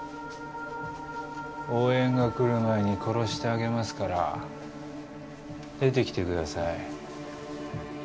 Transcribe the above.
応援が来る前に殺してあげますから出てきてください